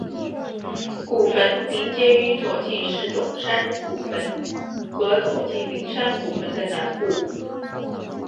古坟邻接于佐纪石冢山古坟和佐纪陵山古坟的南部。